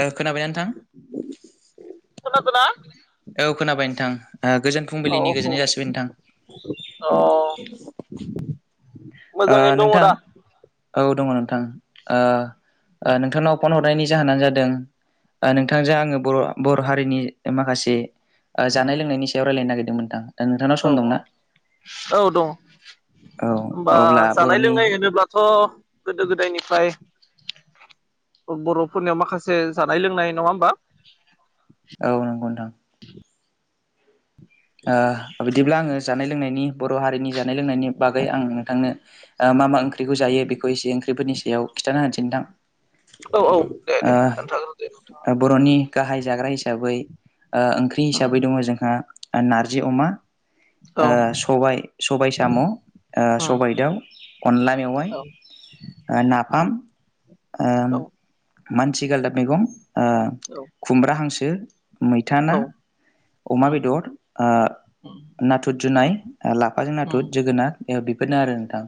ओ खोनाबायना नोंथां? खोनादोना? औ खोनाबाय नोंथां गोजोन फुंबिलिनि गोजोननाय जासिबाय नोंथां। अ [inaudible] मोजाङैनो दङ' नोंथां दा? औ दङ' नोंथां। ओ ओ नोंथांनाव फन हरनायनि जाहोनानो जादों ओ नोंथांजों आङो बर' बर' हारिनि माखासे ओ जानाय लोंनायनि सायाव रायलायनो नागिरदोंमोन थां दा नोंथांनाव औ सम औ दंना? औ। आ अब्ला जानाय बर'नि लोंनाय होनोब्लाथ' गोदो गोदायनिफ्राय बर'फोरनियाव माखासे जानाय लोंनाय नङा होमबा औ नंगौ नोंथां। ओ बिदिब्ला आङो जानाय लोंनायनि बर' हारिनि जानाय लोंनायनि बागै आं नोंथांनो मा मा ओंख्रिखौ जायो बेखौ एसे ओं ख्रिफोरनि सायाव खिथाना होनिसै नोंथां। औ औ दे दे खोन्थाग्रोदो नोंथाङा ओ बर'नि गाहाय जाग्रा हिसाबै ओंख्रि हिसाबै दङ जोंहा नारजि अमा औ ओ सबाय सबाय साम' उम सबायजों दाउ अनला मेवाइ नाफाम ओ औ मानसि गालदाब मैगं ओ औ खुमब्रा हांसो मैथा ना औ अमा उम बेदर नाथुर जुनाय लाफाजों नाथुर उम जोगोनार बेफोरनो आरो नोंथां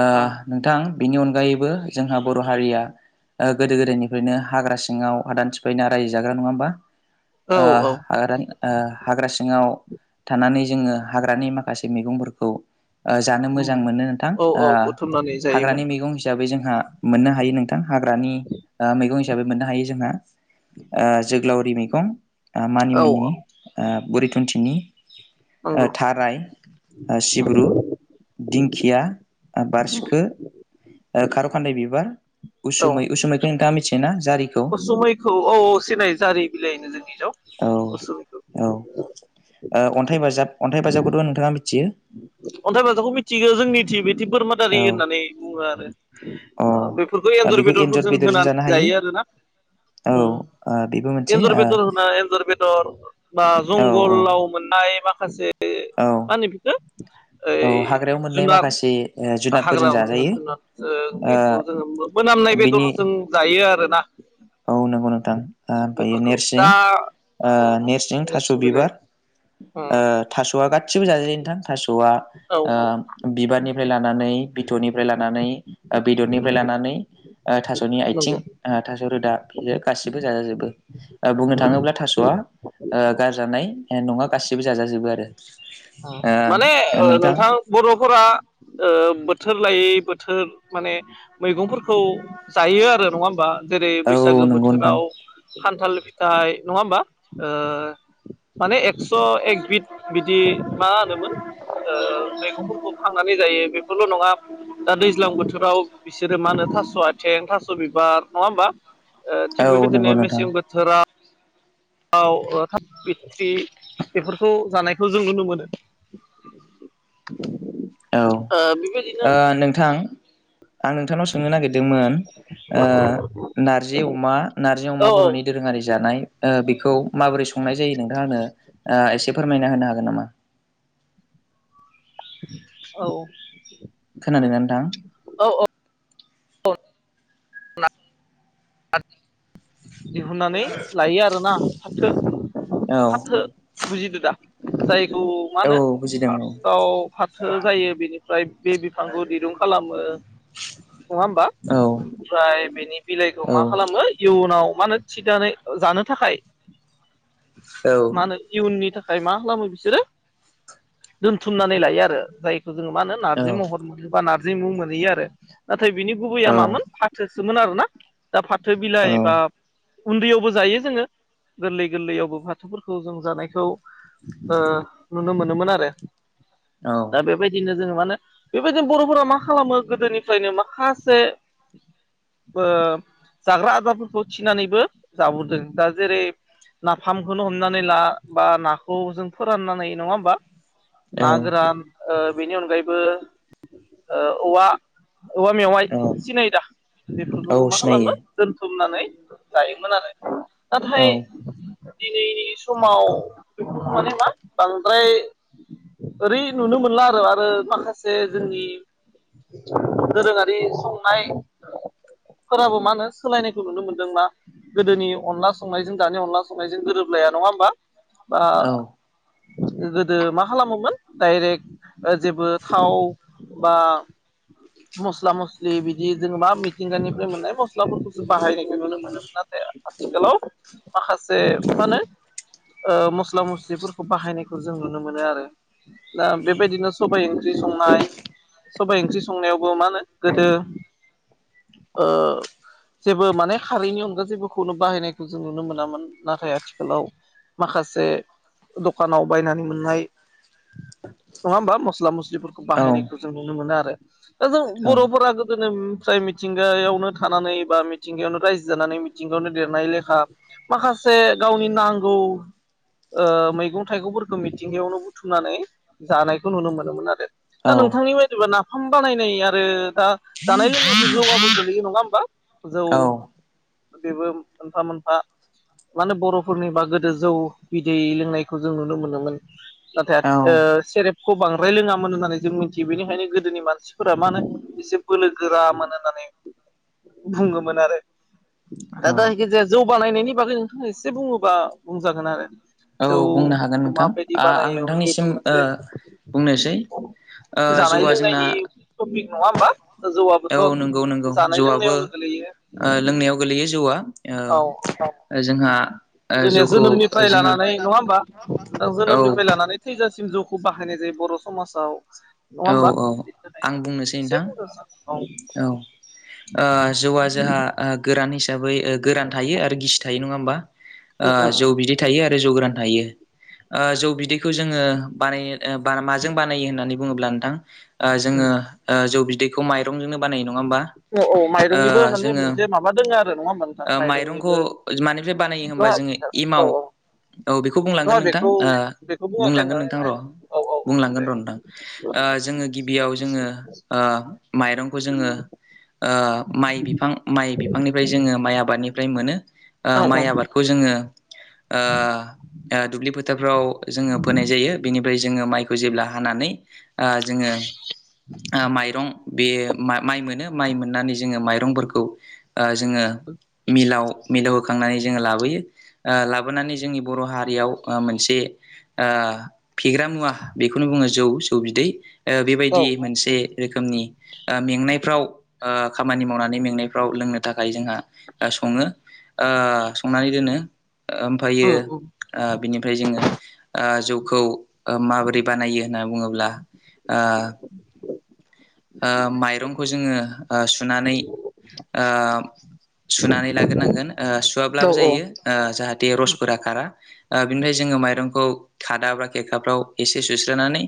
ओ औ नोंथां बेनि अनगायैबो जोंहा बर' हारिया ओ गोदो गोदायनिफ्रायनो हाग्रा सिङाव हादान सिफायना रायजो जाग्रा नङा होमबा? औ ओ औ हाग्रा ओ हाग्रा सिं थानानै जोङो हाग्रानि माखासे मैगंफोरखौ ओ जानो उम मोजां मोनो नोंथां औ औ बुथुमनानै जायोमोन हाग्रानि मैगं हिसाबै जों ओ मोननो हायो नोंथां हाग्रानि मैगं हिसाबै मोननो हायो जोंहा ओ जोग्लावरि मैगं औ मानिमुनि औ ओ बुरिथुनथिनि नंगौ थाराय सिब्रु दिं दिंखिया बारसिखो खार' खान्दाय बिबार औ उसुमै उसुमैखौ नोंथाङा मिथियो ना? उसुमैखौ औ सिनायो जारि बिलाइ होनो औ जोंनियाव औ उसुमिखौ ओ अन्थाइ बाजाब अन्थाइ बाजाबखौथ' नोंथाङा मिथियो। अन्थाइ बाजाखौ मिथियो जोंनिथि बेदि बोरमादारि औ होननानै बुङो आरो अ ओ बेफोरखौ एन्जर बेखौ बेदरफोरजों बेदरजों जानो होनानै हायो जायो आरोना औ ओ बेबो मोनसे एन्जर ओ बेदर होनना एन्जर बेदर बा औ जंगलाव औ मोननाय माखासे औ मा होनो बेखौ औ ओइ हाग्रायाव मोननाय जुनार माखासे ओ जुनादफोरजों हाग्रा मोनै जाजायो जुनारजों ओ बेखौ जोङो मोनामनाय बिनि बेदरजों जायो आरोना। औ नंगौ नोंथां ओमफ्रायो बेफोरखौ नेरसिं दा ओ नेरसिं थास' नोरसिं बिलाइ बिबार थास'वा गासिबो जाजायो नोंथां थास'वा औ [inaudible] ओ बिबारनिफ्राय लानानै बिथ'निफ्राय लानानै बेदरनिफ्राय लानानै थास'नि आइथिं नंगौ आ था गासिबो जाजाजोबो बुंनो थाङोब्ला थास'वा गारजानाय नङा गासिबो जाजाजोबो आरो माने ओ नोंथां बर'फोरा ओ बो बोथोर लायै बोथोर माने मैगंफोरखौ जायो आरो नङा होमबा? जेरै औ बैसागो नंगौ नोंथां बोथोराव खान्थाल फिथाइ नङा होमबा माने एक्स' एक बिद बिदि मा होनोमोन ओ मैगंफोरखौ खांनानै जायो बेफोरल' नङा दा दैज्लां बोथोराव बिसोरो मा होनो थास' आथिं थास' बिबार नङा होमबा? ओ थिग औ बेबायदिनो नंगौ नोंथां मेसें बोथोराव थाब बिथट्रि बेफोरखौ जानायखौ जों नुनो मोनो। औ ओ बेबायदिनो ओ नोंथां। आं नोंथांनाव सोंनो नागिरदोंमोन ओ नारजि अमा नार्जि अमा औ औ बर'नि दोरोङारि बेखौ माबोरै संनाय जायो नोंथाङा आंनो एसे फोरमायना होनो हागोन हागोन नामा? औ। खोनादोंना नोंथां? औ औ [unintelligible] दिहुननानै लायो आरोना फाथो नोंथां फाथो औ बुजिदो दा? जाय खौ मा होनो औ बुजिदों फार्स्टआव फाथो जायो बेनिफ्राय बे बिफांखौ दिरुं खालामो। नङा होमबा औ ओमफ्राय बेनि बिलाइखौ औ मा खालामो। उनाव मा होनो थिनानै जानो थाखाय मा होनो इयुननि था थाखाय मा खालामो बिसोरो दोनथुमनानै लायो आरो जाय खौ जोङो मा होनो औ नारजि महर मोनो बा नारजि मुं मोनहैयो आरो नाथाय बिनि गुबैया औ मामोन फाथो सोमोन आरोना दा फाथो औ बिलाइ बा उन्दैयावबो जायो जोङो गोरलै गोरलैयावबो बाथौफोरखौ जों जानायखौ नुनो मोनोमोन आरो दा बेबायदि नो जोङो मानो बेबायदिनो बर'फोरा मा खालामो गोदोनिफ्रायनो माखासे जाग्रा आदारफोरखौ थिनानैबो जाबोदों दा जेरै नाफामखौनो हमनानै ला बा नाखौ जों फोराननानै नङा होमबा? औ ना गोरान बेनि अनगायैबो औवा औवा मेवाइ औ सिनाय दा औ बेफोरखौबो मा सिनायो खालामो। थुमनानै जायोमोन आरो औ नाथाय दिनैनि समाव बेफोर माने मा बांद्राय ओरै नुनो मोनला आरो आरो माखासे जोंनि दोरोङारि संनायफोराबो मा होनो सोलायनायखौ नुनो मोनदों मा गोदोनि अनला संनायजों दानि अनला संनायजों गोरोबलाया नङा होमबा? बा औ गोदो मा खालामोमोन डायरेक्ट जेबो थाव बा मस्ला मस्लि बिदि जों मा मिथिंगानिफ्राय मोननाय मस्लाफोरखौ बाहायनायखौ नुनो मोनोम नाथाय आथिखालाव माखासे मा होनो मस्ला मस्लिफोरखौ बाहायनायखौ जों नुनो मोनो आरो दा बेबायदिनो सबाय ओंख्रि संनाय सबाइ ओंख्रि संनायावबो मा होनो गोदो ओ जेबो माने खारैनि अनगा जेबोखौनो बाहायनायखौ जों नुनो मोनामोन नाथाय आथिखालाव माखासे दखानाव बायनानै मोननाय [inaudible] नङा होमबा मस्ला मस्लिफोरखौ औ बाहायनायखौ जों नुनो मोनो आरो दा जों बर'फोरा गोदोनोफ्राय मिथिंगायावनो थानानै बा मि मिथिंगायावनो रायजो जानानै मिथिंगायावनो देरनाय लेखा माखासे गावनि नांगौ ओ मैगं थाइगंफोरखौ मिथिंगायावनो बुथुमनानै जानायखौ नुनो मोनोमोन आरो दा नों नोंथांनि बायदिब्लाा नाफाम बानायनाय आरो दा जानायजों लोगोसे जौआबो गोलैयो नङा होमबा जौ औ बेबो मोनफा मोनफा माने बर'फोरनिबा गोदो जौ बिदै लोंनायखौ जों नुनो मोनोमोन औ नाथाय सेरेब खौ बांद्राय लोङामोन होननानै जों मिथियो बेनिखायनो गोदोनि मानसिफोरा मा होनो एसे बोलो गोरामोन होननानै [inaudible] बुङोमोन आरो दा औ दा जायखिजाया जौ बानायनायनि बागै नोंथाङा एसे बुङोबा बुंजागोन आरो औ बुंनो हागोन जौखौ नोंथां माबायदि आ आं बानायो बेबो नोंथांनिसिम ओ मोनसे बुंनोसै ओ जानाय जौआ जोंना लोंनायनि टपिक नङा होमबा औ जौवाबोथ' नंगौ नंगौ जानाय जौआबो लोंनायावनो गोलैयो लोंनायाव गोलैयो जौआ औ औ ओ जोंहा ओ जोंनिया जौखौ जोंहा दा औ जोनोमनिफ्राय लानानै थैजासिम जौखौ बाहायनाय जायो बर' समाजाव नङा औ होमबा औ बेनि आं थाखायनो बुंनोसै एसे नोंथां बुंनो उम औ जौवा जोंहा गोरान हिसाबै गोरान थायो आरो गिसि थायो नङा होमबा उम जौ बिदै थायो आरो जौ गोरान जौ बिदैखौ जोङो बानाय माजों बानायो होननानै बुङोब्ला नोंथां उम जोङो जौ बिदैखौ माइरंजोंनो बानायो नङा होमबा औ औ माइरंनिबो माने जोङो मोनसे माबा दोङो आरो नङा होमबा नोंथां माइरंखौ माइरंनिबो मानिफ्राय बानायो होनबा नङा जोङो एमाव औ औ बेखौ बुंलांगोन नङा नोंथां बेखौ बेखौ बुङाखै बुंलांगोन आङो नोंथां र' माइरं औ औ औ बुंलांगोन दे र' नोंथां जोङो गिबियाव जोङो माइरंखौ जोङो माइ बिफां माइ बिफांनिफ्राय जोङो माइ आबादनिफ्राय मोनो औ माइ आबादखौ जोङो दुब्लि फोथारफ्राव जोङो फोनाय जायो बेनि ओमफ्राय जोङो माइखौ जेब्ला हानानै जोङो माइरं बे माइ मोनो माइ मोननानै जोङो माइरंफोरखौ जोङो मिलाव मिलाव होखांनानै जोङो लाबोयो लाबोनानै जोंनि बर' हारियाव मोनसे ओ फेग्रा मुवा बेखौनो बुङो जौ जौ बिदै औ बेबायदि मोनसे रोखोमनि ओ मेंनायफ्राव ओ खामानि मावनानै मेंनायफ्राव लोंनो थाखाय जोंहा सङो ओ संनानै दोनो औ ओमफ्रायो ओ बिनिफ्राय जोङो जौखौ माबोरै बानायो होनना बुङोब्ला माइरंखौ जोङो सुनानै ओ सुनानै लाग्रोनांगोन ओ औ सुवाब्लाबो औ औ जायो ओ जाहाथे उम रसफोरा खारा बिनिफ्राय जोङो माइरं खौ खादा बा खेरखाराफ्राव एसे सुस्रोनानै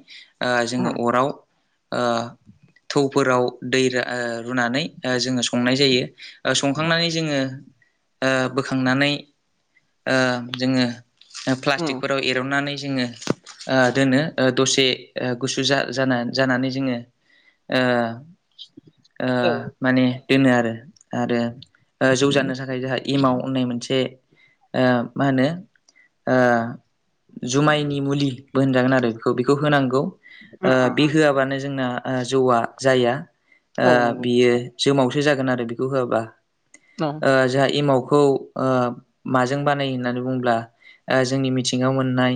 जोङो उम उम अराव ओ फोराव दै रुनानै जोङो संनाय जायो संखांनानै जोङो बोखांनानै जोङो उम प्लास्टिकफोराव एर'नानै जोङो दोनो दसे गुसु जा जानानै जोङो औ माने दोनो आरो आरो जौ जानो थाखाय जोंहा एमाव होननाय मोनसे मा होनो ओ जुमायनि मुलिबो होनजागोन आरो बेखौ बेखौ होनांगौ ओ उम बि उम होआबानो जोंना जौआ जाया ओ औ नंगौ बियो जोमावसो जागोन आरो बेखौ होआबा औ ओ जोंहा एमाव खौ ओ माजों बानायो होननानै बुङोब्ला ओ जोंनि मिथिंगायाव मोननाय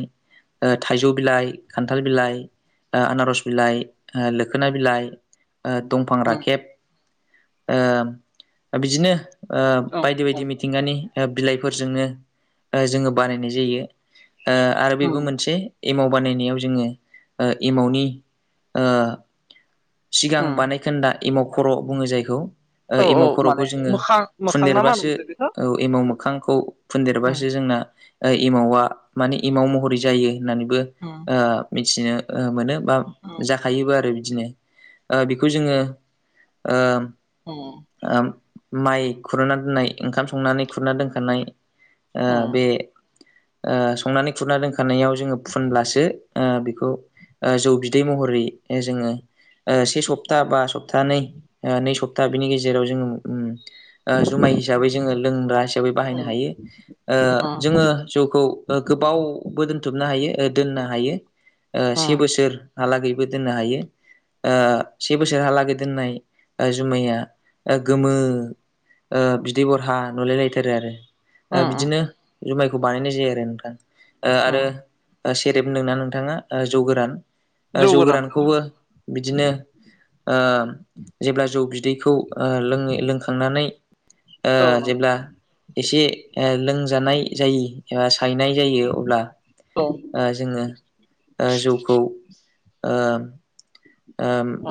ओ थाइजौ बिलाइ खान्थाल बिलाइ आनारस बिलाइ ओ लो खोना बिलाइ ओ दंफां उम राखेब ओ बिदिनो ओ औ बायदि बायदि मिथिंगानि बिलाइफोरजोंनो जोङो बानायनाय जायो ओ आरो बेबो उम मोनसे एमाव बानायनायाव जोङो एमावनि सिगां उम बानायखोन्दा एमाव खर' बुङो जायखौ औ औ एमाव खर'खौ माने जोङो मोखां मोखां ना मा फुनदेरबासो होनोमोनलाय बेखौ औ एमौ मोखांखौ उम फुनदेरबासो जोंना एमावा माने एमाव महरै जायो होननानैबो उम मिथिनो मोनो बा उम जाखायोबो आरो बिदिनो बेखौ जोङो औ माइ खुरना दोननाय ओंखाम संनानै खुरना दोनखानाय उम बे संनानै खुरना दोनखानायाव जोङो फुनब्लासो बेखौ जौ बिदै महरै जोङो से सप्ता बा सप्तानै नै सप्ता बिनि गेजेराव जोङो जुमाय हिसाबै जोङो लोंग्रा हिसाबै बाहायनो हायो जोङो जौखौ गोबाव बो दोनथुमनो हायो दोननो हायो से उम बोसोरहालागैबो दोननो हायो से बोसोरहालागै दोननाय जुमाया गोमो बिदै बरहा नुलाय लायथारो आरो ओ उम उम बिदिनो जुमायखौ बानायनाय जायो आरो नोंथां आरो उम ओ सेरेब नोंना नोंथाङा जौ गोरान जौ गोरानखौबो बिदिनो ओ जेब्ला जौ बिदैखौ ओ लोङै लोंखांनानै ओ औ नों जेब्ला एसे लोंजानाय जायो एबा हायनाय जायो अब्ला जोङो जौखौ ओ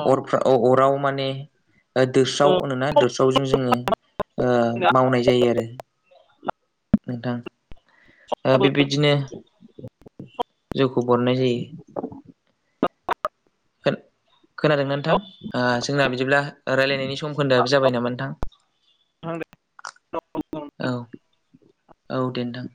औ अरफ्राव अराव माने ओ दौस्राव औ होनोना दौस्रावजों जोङो मावनाय जायो आरो नोंथां ओ बेबायदिनो जौखौ बरननाय जायो। [unintelligible] खोनादों ना ओ नोंथां जोंना बिदिब्ला रायलायनायनि सम खोन्दोआ जाबाय नामा नोंथां [unintelligible] औ औ दे नोंथां